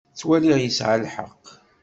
Ttwaliɣ yesɛa lḥeqq.